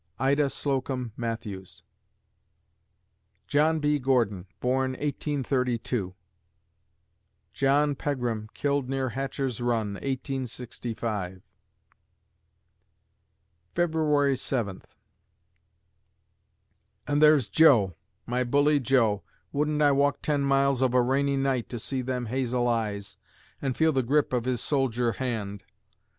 IDA SLOCOMB MATTHEWS John B. Gordon born, 1832 John Pegram killed near Hatcher's Run, 1865 February Seventh And there's Joe my bully Joe wouldn't I walk ten miles of a rainy night to see them hazel eyes, and feel the grip of his soldier hand?